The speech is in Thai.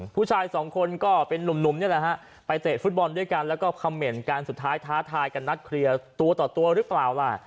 ผู้ชายสองคนก็เป็นนุ่มนี่แหละฮะไปเตะฟุตบอลด้วยกันแล้วก็คำเหน่นกันสุดท้ายท้าทายกันนัดเคลียร์ตัวต่อตัวหรือเปล่าล่ะ